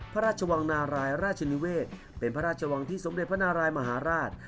พระราชวังนารายราชนิเวศเป็นพระราชวังที่สมเด็จพระนารายมหาราช